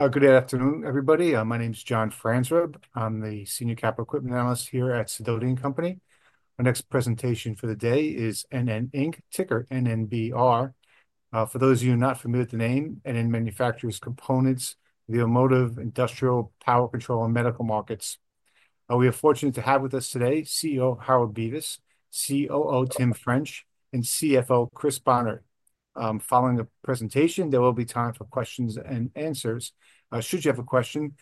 Good afternoon, everybody. My name is John Franzreb. I'm the Senior Capital Equipment Analyst here at Sidoti & Company. Our next presentation for the day is NN, Inc Ticker NNBR. For those of you not familiar with the name, NN manufactures components, the automotive, industrial, power control, and medical markets. We are fortunate to have with us today CEO Harold Bevis, COO Tim French, and CFO Chris Bohnert. Following the presentation, there will be time for questions and answers. Should you have a question,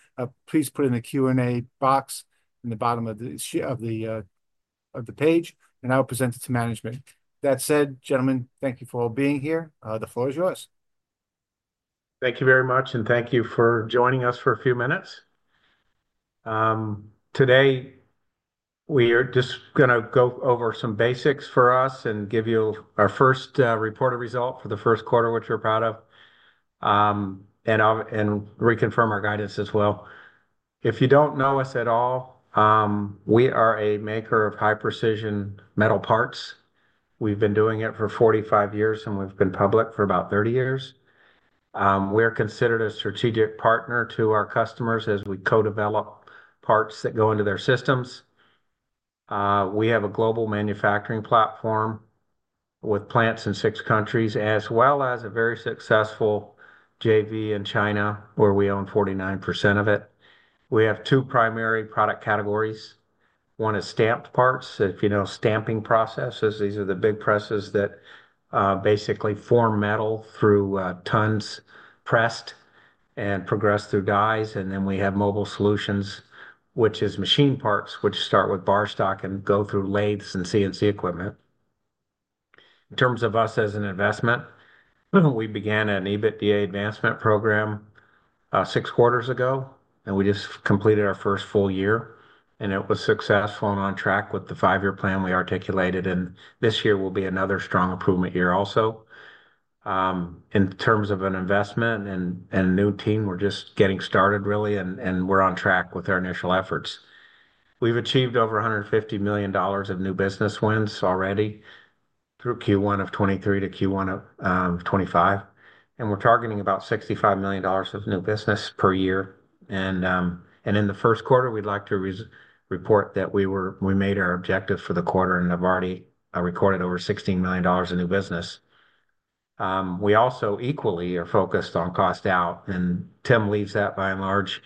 please put it in the Q&A box in the bottom of the page, and I'll present it to management. That said, gentlemen, thank you for all being here. The floor is yours. Thank you very much, and thank you for joining us for a few minutes. Today, we are just going to go over some basics for us and give you our first reported result for the first quarter, which we're proud of, and reconfirm our guidance as well. If you don't know us at all, we are a maker of high-precision metal parts. We've been doing it for 45 years, and we've been public for about 30 years. We're considered a strategic partner to our customers as we co-develop parts that go into their systems. We have a global manufacturing platform with plants in six countries, as well as a very successful JV in China, where we own 49% of it. We have two primary product categories. One is stamped parts. If you know stamping processes, these are the big presses that basically form metal through tons pressed and progress through dies. Then we have Mobile Solutions, which are machined parts, which start with bar stock and go through lathe and CNC equipment. In terms of us as an investment, we began an EBITDA advancement program six quarters ago, and we just completed our first full year. It was successful and on track with the five-year plan we articulated. This year will be another strong improvement year also. In terms of an investment and a new team, we're just getting started, really, and we're on track with our initial efforts. We've achieved over $150 million of new business wins already through Q1 of 2023 to Q1 of 2025. We're targeting about $65 million of new business per year. In the first quarter, we'd like to report that we made our objective for the quarter and have already recorded over $16 million of new business. We also equally are focused on cost out. Tim leads that by and large,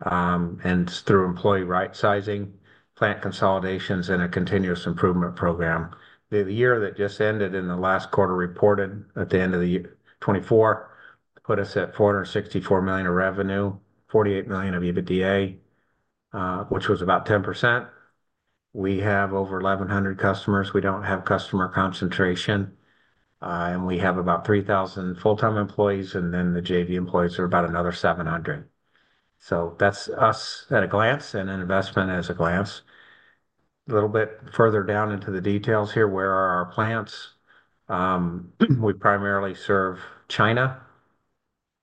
and it's through employee rightsizing, plant consolidations, and a continuous improvement program. The year that just ended in the last quarter reported at the end of the year 2024 put us at $464 million of revenue, $48 million of EBITDA, which was about 10%. We have over 1,100 customers. We don't have customer concentration. We have about 3,000 full-time employees, and then the JV employees are about another 700. That's us at a glance and an investment as a glance. A little bit further down into the details here, where are our plants? We primarily serve China,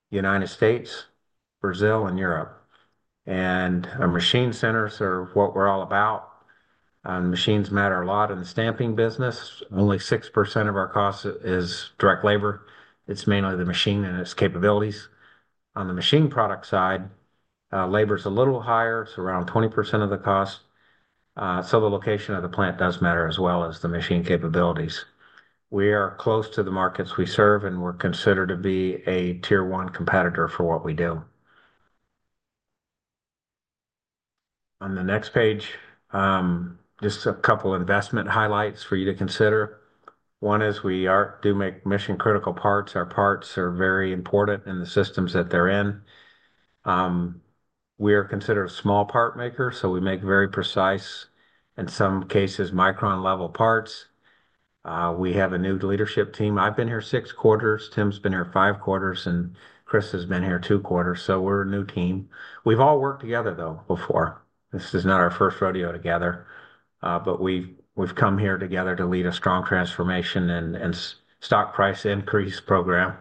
the United States, Brazil, and Europe. Our machine centers are what we're all about. Machines matter a lot in the stamping business. Only 6% of our cost is direct labor. It's mainly the machine and its capabilities. On the machine product side, labor is a little higher, so around 20% of the cost. The location of the plant does matter as well as the machine capabilities. We are close to the markets we serve, and we're considered to be a tier-one competitor for what we do. On the next page, just a couple of investment highlights for you to consider. One is we do make mission-critical parts. Our parts are very important in the systems that they're in. We are considered a small part maker, so we make very precise, in some cases, micron-level parts. We have a new leadership team. I've been here six quarters. Tim's been here five quarters, and Chris has been here two quarters. We are a new team. We've all worked together, though, before. This is not our first rodeo together, but we've come here together to lead a strong transformation and stock price increase program.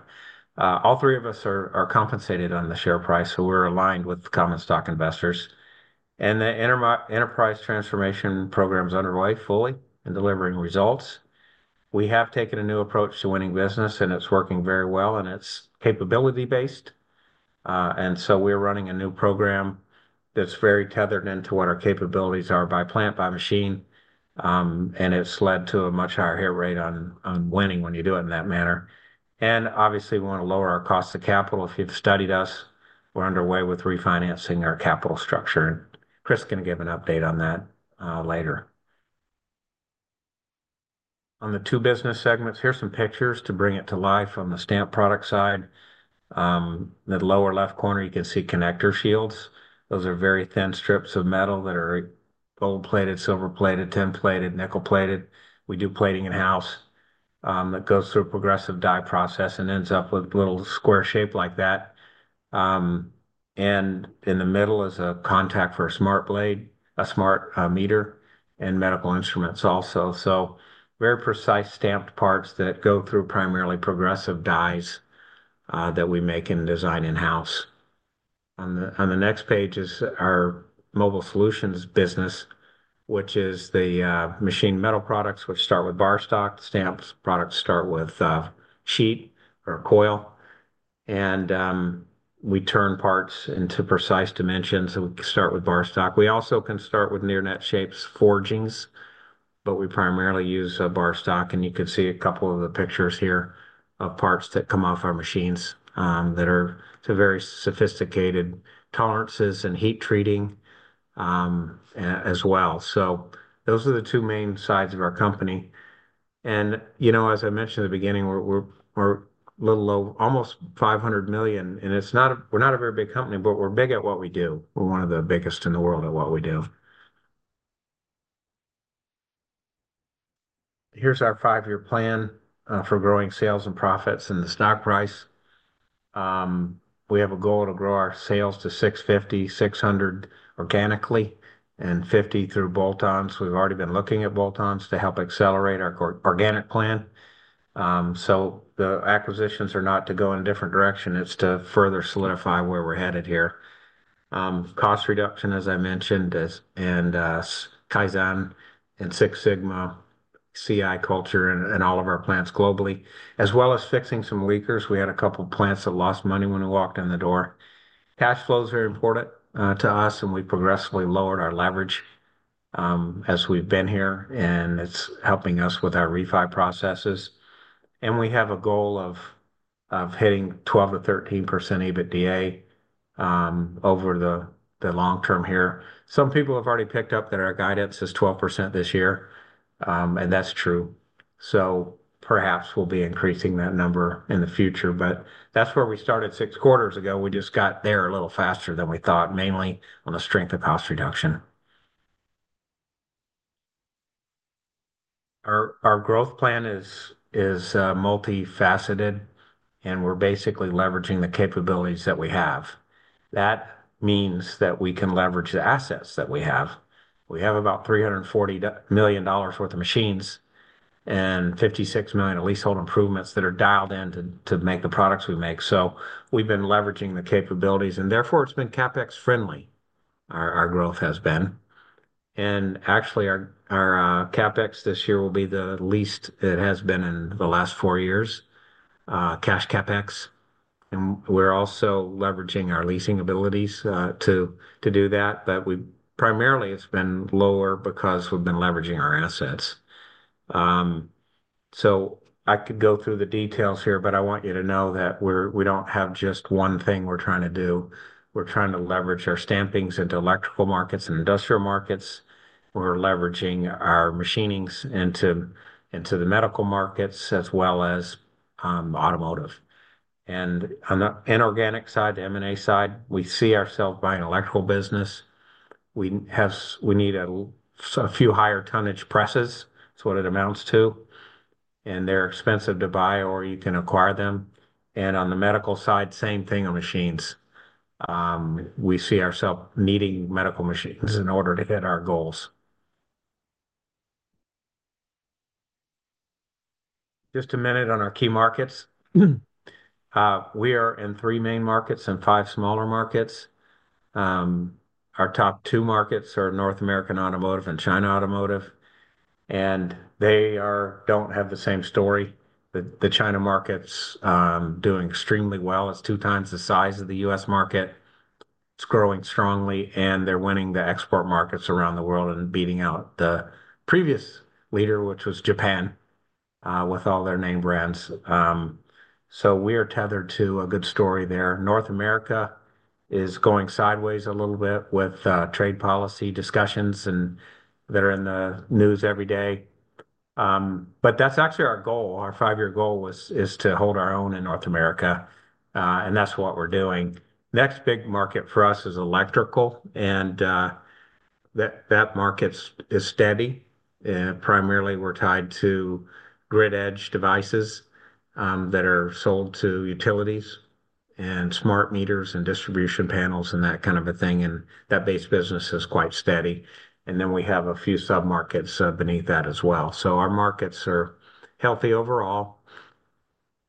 All three of us are compensated on the share price, so we're aligned with common stock investors. The enterprise transformation program is underway fully and delivering results. We have taken a new approach to winning business, and it's working very well, and it's capability-based. We are running a new program that's very tethered into what our capabilities are by plant, by machine. It's led to a much higher hit rate on winning when you do it in that manner. Obviously, we want to lower our cost of capital. If you've studied us, we're underway with refinancing our capital structure. Chris is going to give an update on that later. On the two business segments, here are some pictures to bring it to life on the Stamped Product side. In the lower left corner, you can see connector shields. Those are very thin strips of metal that are gold-plated, silver-plated, tin-plated, nickel-plated. We do plating in-house. It goes through a progressive die process and ends up with a little square shape like that. In the middle is a contact for a smart blade, a smart meter, and medical instruments also. Very precise stamped parts that go through primarily progressive dies that we make and design in-house. On the next page is our Mobile Solutions business, which is the machined metal products, which start with bar stock. Stamped products start with sheet or coil. We turn parts into precise dimensions, and we can start with bar stock. We also can start with near-net shapes, forgings, but we primarily use bar stock. You can see a couple of the pictures here of parts that come off our machines that are very sophisticated tolerances and heat treating as well. Those are the two main sides of our company. As I mentioned in the beginning, we're a little low, almost $500 million. We're not a very big company, but we're big at what we do. We're one of the biggest in the world at what we do. Here is our five-year plan for growing sales and profits and the stock price. We have a goal to grow our sales to $650 million, $600 million organically and $50 million through bolt-ons. We've already been looking at bolt-ons to help accelerate our organic plan. The acquisitions are not to go in a different direction. It's to further solidify where we're headed here. Cost reduction, as I mentioned, and Kaizen and Six Sigma, CI Culture, and all of our plants globally, as well as fixing some leakers. We had a couple of plants that lost money when we walked in the door. Cash flow is very important to us, and we progressively lowered our leverage as we've been here, and it's helping us with our refund processes. We have a goal of hitting 12%-13% EBITDA over the long term here. Some people have already picked up that our guidance is 12% this year, and that's true. Perhaps we'll be increasing that number in the future. That's where we started six quarters ago. We just got there a little faster than we thought, mainly on the strength of cost reduction. Our growth plan is multifaceted, and we're basically leveraging the capabilities that we have. That means that we can leverage the assets that we have. We have about $340 million worth of machines and $56 million of leasehold improvements that are dialed in to make the products we make. We've been leveraging the capabilities, and therefore it's been CapEx-friendly, our growth has been. Actually, our CapEx this year will be the least it has been in the last four years, cash CapEx. We're also leveraging our leasing abilities to do that. Primarily, it's been lower because we've been leveraging our assets. I could go through the details here, but I want you to know that we don't have just one thing we're trying to do. We're trying to leverage our Stampings into Electrical Markets and Industrial Markets. We're leveraging our machining into the Medical Markets as well as Automotive. On the inorganic side, the M&A side, we see ourselves buying an Electrical Business. We need a few higher tonnage presses. That's what it amounts to. They're expensive to buy, or you can acquire them. On the Medical side, same thing on machines. We see ourselves needing Medical Machines in order to hit our goals. Just a minute on our key markets. We are in three main markets and five smaller markets. Our top two markets are North American Automotive and China Automotive. They don't have the same story. The China Market's doing extremely well. It's two times the size of the U.S. Market. It's growing strongly, and they're winning the export markets around the world and beating out the previous leader, which was Japan, with all their name brands. We are tethered to a good story there. North America is going sideways a little bit with trade policy discussions that are in the news every day. That's actually our goal. Our five-year goal is to hold our own in North America, and that's what we're doing. Next big market for us is Electrical, and that market is steady. Primarily, we're tied to grid-edge devices that are sold to utilities and smart meters and distribution panels and that kind of a thing. That base business is quite steady. We have a few sub-markets beneath that as well. Our markets are healthy overall,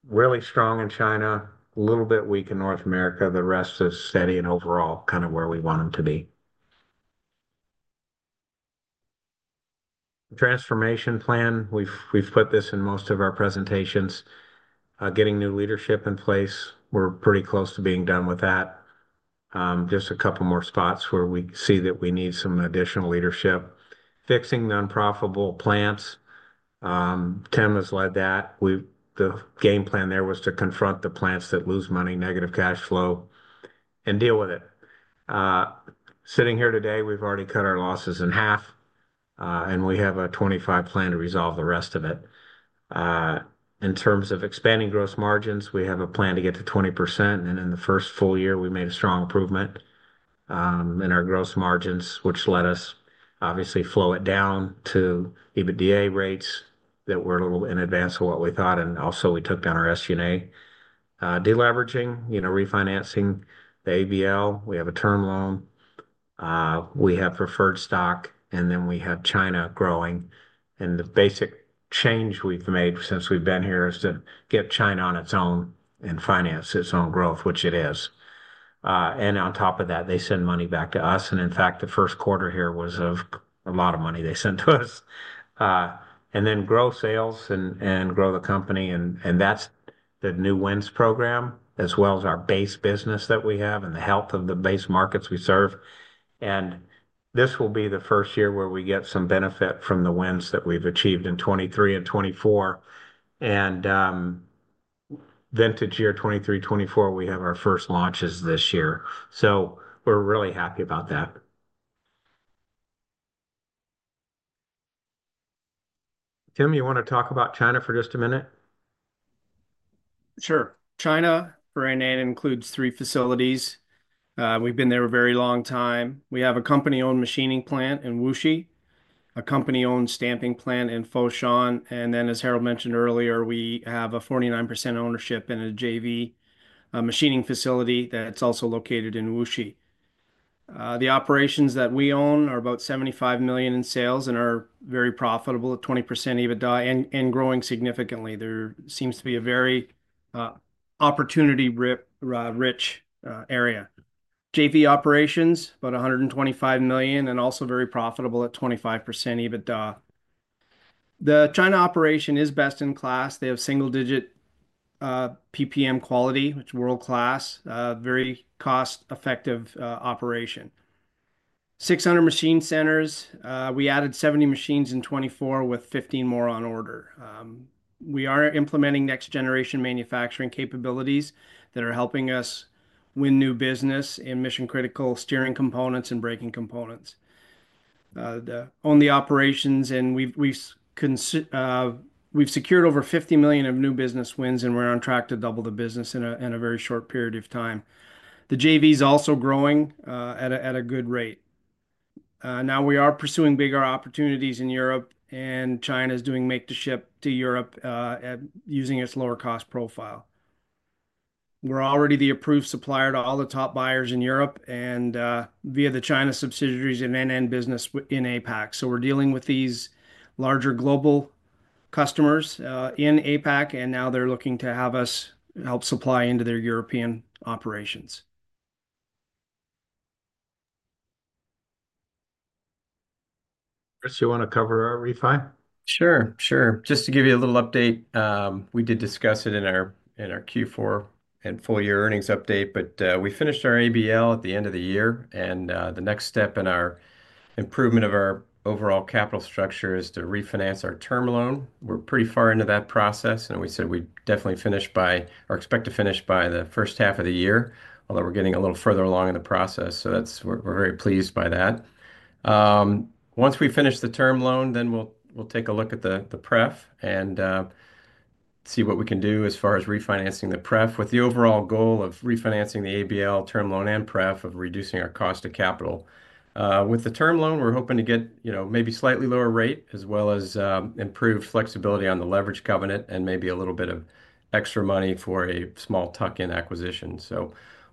really strong in China, a little bit weak in North America. The rest is steady and overall kind of where we want them to be. Transformation Plan. We've put this in most of our presentations. Getting new leadership in place. We're pretty close to being done with that. Just a couple more spots where we see that we need some additional leadership. Fixing nonprofitable plants. Tim has led that. The game plan there was to confront the plants that lose money, negative cash flow, and deal with it. Sitting here today, we've already cut our losses in half, and we have a 25 plan to resolve the rest of it. In terms of expanding gross margins, we have a plan to get to 20%. In the first full year, we made a strong improvement in our gross margins, which led us, obviously, to flow it down to EBITDA rates that were a little in advance of what we thought. Also, we took down our SG&A. Deleveraging, refinancing, the ABL. We have a term loan. We have preferred stock, and then we have China growing. The basic change we've made since we've been here is to get China on its own and finance its own growth, which it is. On top of that, they send money back to us. In fact, the first quarter here was a lot of money they sent to us. Grow sales and grow the company. That's the New Wins Program, as well as our base business that we have and the health of the base markets we serve. This will be the first year where we get some benefit from the wins that we've achieved in 2023 and 2024. Vintage year 2023, 2024, we have our first launches this year. We're really happy about that. Tim, you want to talk about China for just a minute? Sure. China, for NN, includes three facilities. We've been there a very long time. We have a company-owned machining plant in Wuxi, a company-owned stamping plant in Foshan. As Harold mentioned earlier, we have a 49% ownership in a JV machining facility that's also located in Wuxi. The operations that we own are about $75 million in sales and are very profitable at 20% EBITDA and growing significantly. There seems to be a very opportunity-rich area. JV operations, about $125 million and also very profitable at 25% EBITDA. The China operation is best in class. They have single-digit PPM quality, which is world-class, a very cost-effective operation. 600 machine centers. We added 70 machines in 2024 with 15 more on order. We are implementing next-generation manufacturing capabilities that are helping us win new business in mission-critical steering components and braking components. On the operations, and we've secured over $50 million of new business wins, and we're on track to double the business in a very short period of time. The JV is also growing at a good rate. Now, we are pursuing bigger opportunities in Europe, and China is doing make-to-ship to Europe using its lower-cost profile. We're already the approved supplier to all the top buyers in Europe and via the China subsidiaries and NN Business in APAC. So we're dealing with these larger global customers in APAC, and now they're looking to have us help supply into their European operations. Chris, do you want to cover our refund? Sure. Sure. Just to give you a little update, we did discuss it in our Q4 and full-year earnings update, but we finished our ABL at the end of the year. The next step in our improvement of our overall capital structure is to refinance our term loan. We're pretty far into that process, and we said we definitely expect to finish by the first half of the year, although we're getting a little further along in the process. We're very pleased by that. Once we finish the term loan, we'll take a look at the prep and see what we can do as far as refinancing the prep, with the overall goal of refinancing the ABL, term loan, and prep of reducing our cost of capital. With the term loan, we're hoping to get maybe slightly lower rate as well as improved flexibility on the leverage covenant and maybe a little bit of extra money for a small tuck-in acquisition.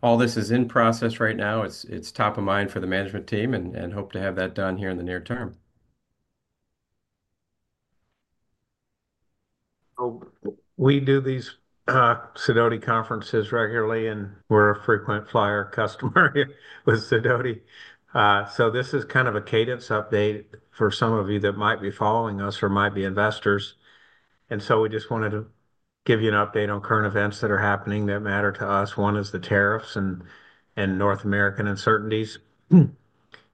All this is in process right now. It's top of mind for the management team and hope to have that done here in the near term. We do these Sidoti Conferences regularly, and we're a frequent flyer customer with Sidoti. This is kind of a cadence update for some of you that might be following us or might be investors. We just wanted to give you an update on current events that are happening that matter to us. One is the tariffs and North American uncertainties.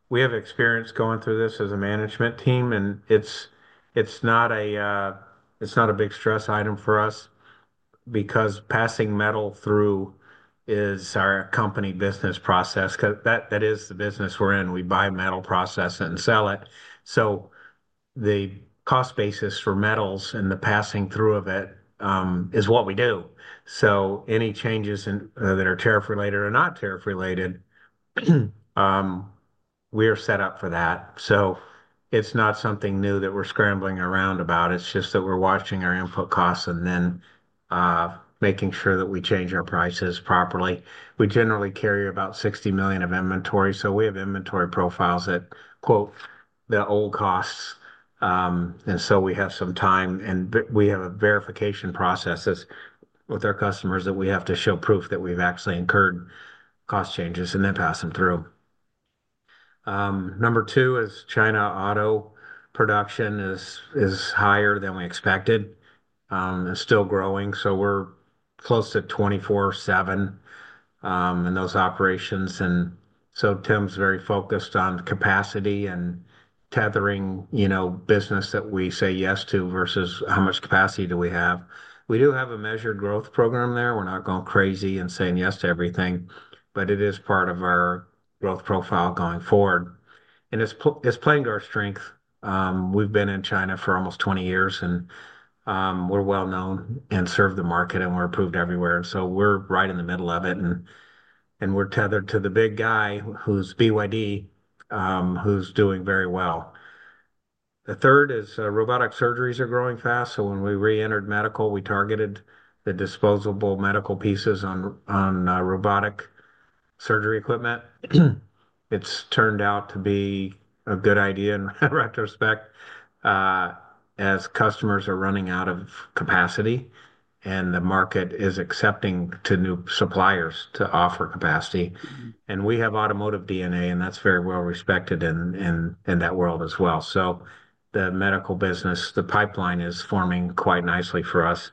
We have experience going through this as a management team, and it's not a big stress item for us because passing metal through is our company business process. That is the business we're in. We buy metal, process it, and sell it. The cost basis for metals and the passing through of it is what we do. Any changes that are tariff-related or not tariff-related, we are set up for that. It's not something new that we're scrambling around about. It's just that we're watching our input costs and then making sure that we change our prices properly. We generally carry about $60 million of inventory. We have inventory profiles that quote the old costs. We have some time, and we have verification processes with our customers that we have to show proof that we've actually incurred cost changes and then pass them through. Number two is China Auto Production is higher than we expected and still growing. We're close to 24/7 in those operations. Tim's very focused on capacity and tethering business that we say yes to versus how much capacity do we have. We do have a measured growth program there. We're not going crazy and saying yes to everything, but it is part of our growth profile going forward. It is playing to our strength. We've been in China for almost 20 years, and we're well-known and serve the market, and we're approved everywhere. We are right in the middle of it, and we're tethered to the big guy who's BYD, who's doing very well. The third is robotic surgeries are growing fast. When we re-entered medical, we targeted the disposable medical pieces on robotic surgery equipment. It's turned out to be a good idea in retrospect as customers are running out of capacity and the market is accepting to new suppliers to offer capacity. We have Automotive DNA, and that's very well respected in that world as well. The Medical Business, the pipeline is forming quite nicely for us.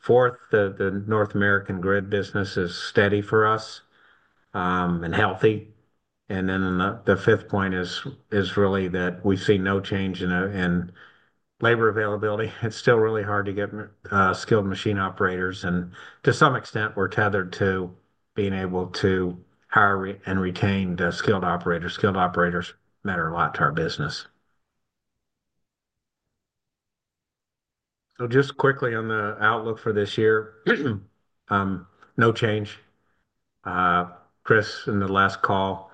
Fourth, the North American Grid Business is steady for us and healthy. The fifth point is really that we've seen no change in labor availability. It's still really hard to get skilled machine operators. To some extent, we're tethered to being able to hire and retain skilled operators. Skilled operators matter a lot to our business. Just quickly on the outlook for this year, no change. Chris, in the last call,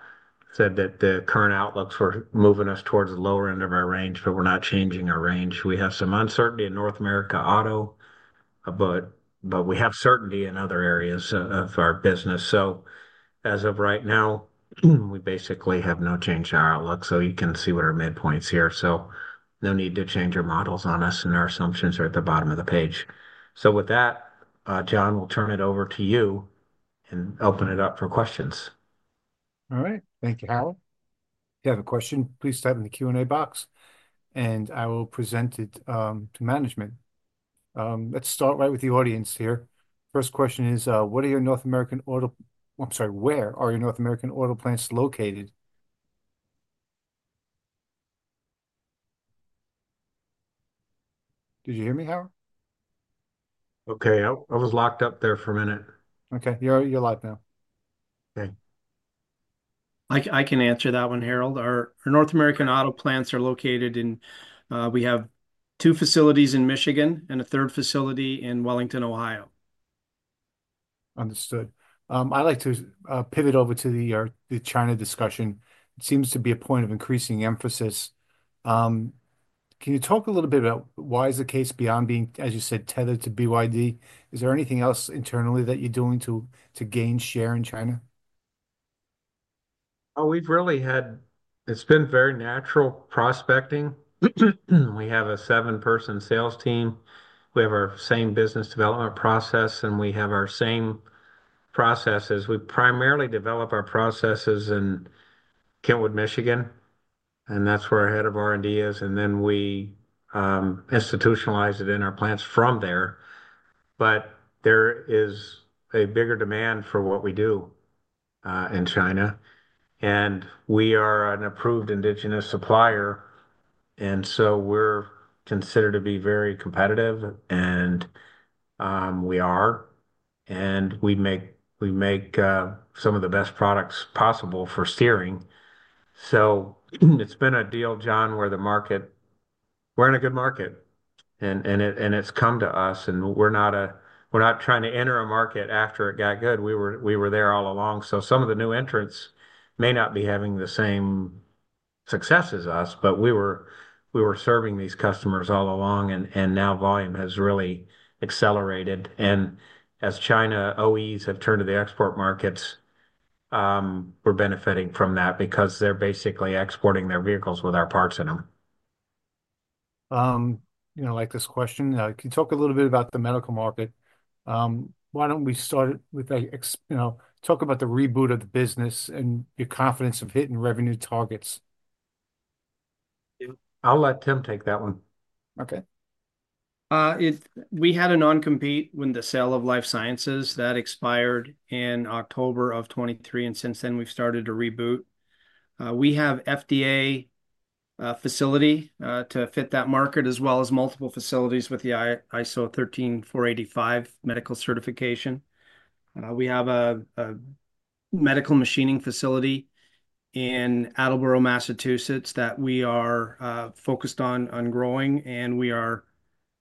said that the current outlooks were moving us towards the lower end of our range, but we're not changing our range. We have some uncertainty in North America Auto, but we have certainty in other areas of our business. As of right now, we basically have no change in our outlook. You can see what our midpoint's here. No need to change your models on us, and our assumptions are at the bottom of the page. With that, John, we'll turn it over to you and open it up for questions. All right. Thank you, Harold. If you have a question, please type in the Q&A box, and I will present it to management. Let's start right with the audience here. First question is, what are your North American auto—I'm sorry, where are your North American auto plants located? Did you hear me, Harold? Okay. I was locked up there for a minute. Okay. You're live now. Okay. I can answer that one, Harold. Our North American auto plants are located in—we have two facilities in Michigan and a third facility in Wellington, Ohio. Understood. I'd like to pivot over to the China discussion. It seems to be a point of increasing emphasis. Can you talk a little bit about why is the case beyond being, as you said, tethered to BYD? Is there anything else internally that you're doing to gain share in China? Oh, we've really had—it has been very natural prospecting. We have a seven-person sales team. We have our same business development process, and we have our same processes. We primarily develop our processes in Kentwood, Michigan, and that's where our Head of R&D is. We institutionalize it in our plants from there. There is a bigger demand for what we do in China. We are an approved indigenous supplier. We are considered to be very competitive, and we are. We make some of the best products possible for steering. It has been a deal, John, where the market—we're in a good market. It has come to us. We're not trying to enter a market after it got good. We were there all along. Some of the new entrants may not be having the same success as us, but we were serving these customers all along. Now volume has really accelerated. As China OEs have turned to the export markets, we're benefiting from that because they're basically exporting their vehicles with our parts in them. I like this question. Can you talk a little bit about the Medical Market? Why don't we start with—talk about the reboot of the business and your confidence of hitting revenue targets? I'll let Tim take that one. Okay. We had a non-compete when the sale of life sciences that expired in October of 2023. Since then, we've started to reboot. We have an FDA facility to fit that market, as well as multiple facilities with the ISO 13485 Medical Certification. We have a Medical Machining Facility in Attleboro, Massachusetts that we are focused on growing, and we are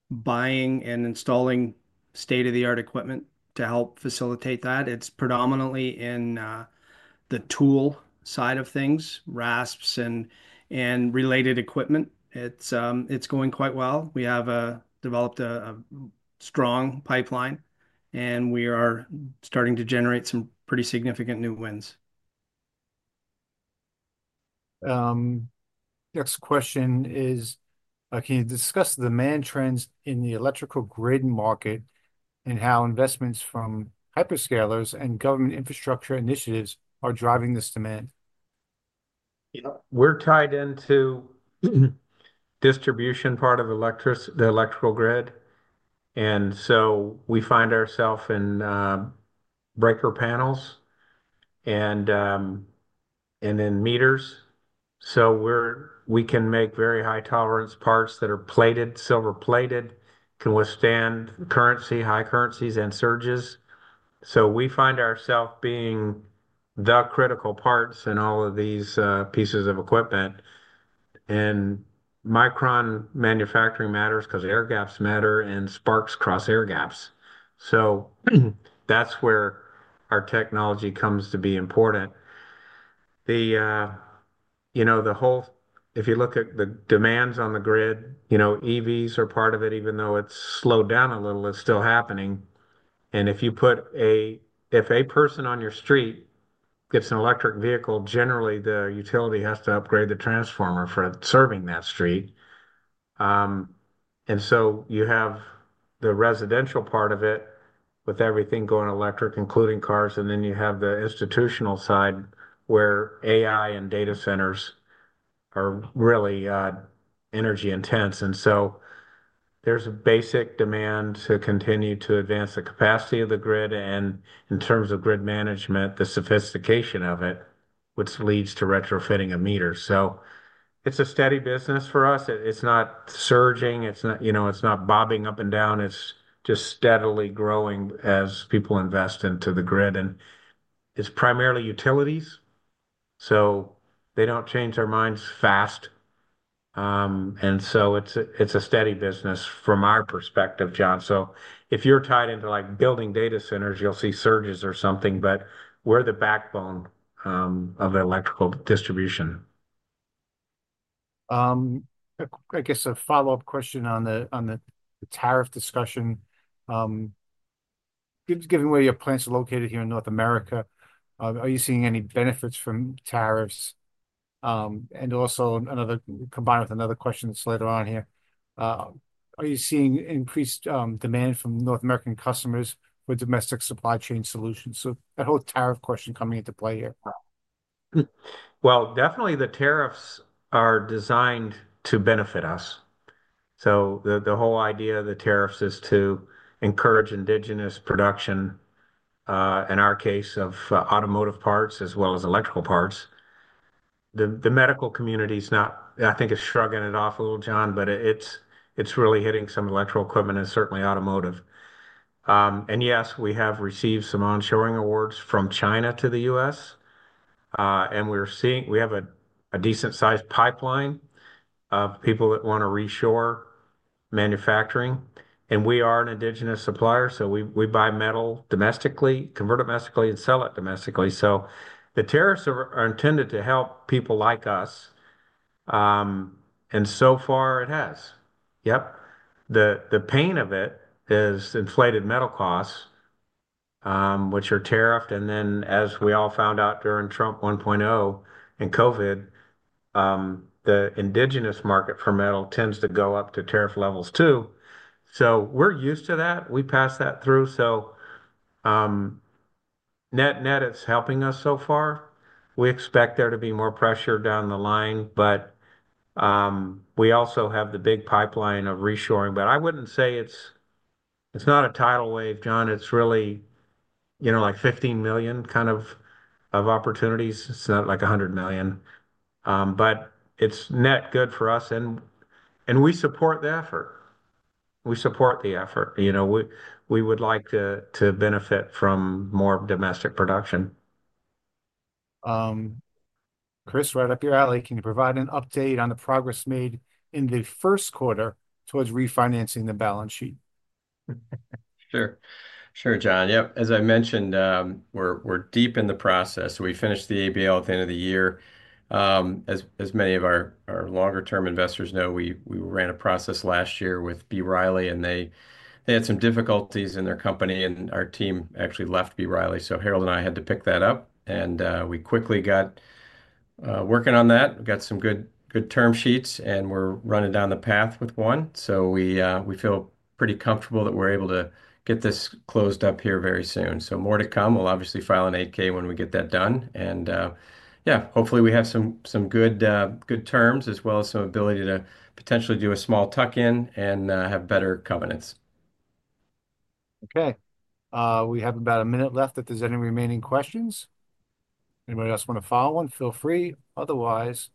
buying and installing state-of-the-art equipment to help facilitate that. It's predominantly in the tool side of things, rasps and related equipment. It's going quite well. We have developed a strong pipeline, and we are starting to generate some pretty significant new wins. Next question is, can you discuss the demand trends in the Electrical Grid Market and how investments from hyperscalers and government infrastructure initiatives are driving this demand? We are tied into the distribution part of the Electrical Grid. We find ourselves in breaker panels and in meters. We can make very high-tolerance parts that are silver-plated, can withstand high currents and surges. We find ourselves being the critical parts in all of these pieces of equipment. Micron Manufacturing matters because air gaps matter and sparks cross air gaps. That is where our technology comes to be important. The whole, if you look at the demands on the grid, EVs are part of it, even though it has slowed down a little. It is still happening. If you put a person on your street that is an Electric Vehicle, generally, the utility has to upgrade the transformer for serving that street. You have the residential part of it with everything going electric, including cars. Then you have the institutional side where AI and data centers are really energy-intense. There is a basic demand to continue to advance the capacity of the grid. In terms of grid management, the sophistication of it leads to retrofitting a meter. It's a steady business for us. It's not surging. It's not bobbing up and down. It's just steadily growing as people invest into the grid. It's primarily utilities, so they don't change their minds fast. It's a steady business from our perspective, John. If you're tied into building data centers, you'll see surges or something. We're the backbone of electrical distribution. I guess a follow-up question on the tariff discussion. Given where your plants are located here in North America, are you seeing any benefits from tariffs? Also, combined with another question that's later on here, are you seeing increased demand from North American customers for domestic supply chain solutions? That whole tariff question comes into play here. Definitely, the tariffs are designed to benefit us. The whole idea of the tariffs is to encourage indigenous production, in our case, of Automotive Parts as well as Electrical Parts. The Medical Community is not, I think, is shrugging it off a little, John, but it's really hitting some electrical equipment and certainly Automotive. Yes, we have received some onshoring awards from China to the U.S. We have a decent-sized pipeline of people that want to reshore manufacturing. We are an indigenous supplier. We buy metal domestically, convert domestically, and sell it domestically. The tariffs are intended to help people like us. So far, it has. Yep. The pain of it is inflated metal costs, which are tariffed. As we all found out during Trump 1.0 and COVID, the indigenous market for metal tends to go up to tariff levels too. We're used to that. We passed that through. Net, it's helping us so far. We expect there to be more pressure down the line. We also have the big pipeline of reshoring. I wouldn't say it's not a tidal wave, John. It's really like $15 million kind of opportunities. It's not like $100 million. Net, it's good for us. We support the effort. We support the effort. We would like to benefit from more domestic production. Chris, right up your alley, can you provide an update on the progress made in the first quarter towards refinancing the balance sheet? Sure. Sure, John. Yep. As I mentioned, we're deep in the process. We finished the ABL at the end of the year. As many of our longer-term investors know, we ran a process last year with B. Riley, and they had some difficulties in their company. Our team actually left B. Riley. Harold and I had to pick that up. We quickly got working on that. We got some good term sheets, and we're running down the path with one. We feel pretty comfortable that we're able to get this closed up here very soon. More to come. We'll obviously file an 8-K when we get that done. Hopefully, we have some good terms as well as some ability to potentially do a small tuck-in and have better covenants. Okay. We have about a minute left. If there's any remaining questions, anybody else want to follow one, feel free. Otherwise,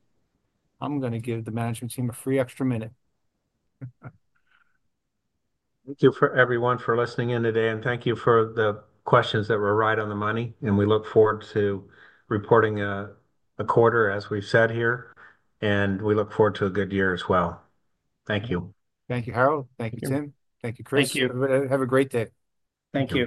I'm going to give the management team a free extra minute. Thank you for everyone for listening in today. Thank you for the questions that were right on the money. We look forward to reporting a quarter, as we've said here. We look forward to a good year as well. Thank you. Thank you, Harold. Thank you, Tim. Thank you, Chris. Thank you. Have a great day. Thank you.